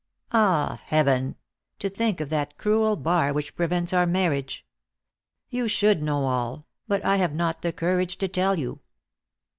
Ah, Heaven! to think of that cruel bar which prevents our marriage! You should know all, but I have not the courage to tell you."